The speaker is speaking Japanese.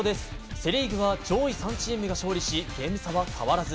セ・リーグは上位３チームが勝利しゲーム差は変わらず。